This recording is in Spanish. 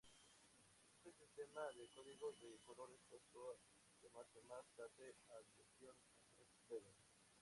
Este sistema de código de colores pasó a llamarse más tarde Aviation Alert Level.